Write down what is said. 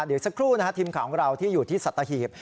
เดี๋ยวสักครู่นะฮะทีมข่าวของเราที่อยู่ที่สัตหีบ